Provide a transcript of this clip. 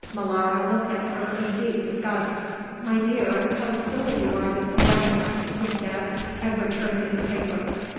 Molara looked at her in deep disgust. "My dear, how silly you are this morning," he said and returned to his paper.